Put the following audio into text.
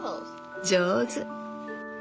上手！